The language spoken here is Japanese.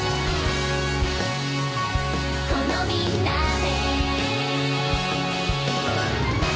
「このみんなで」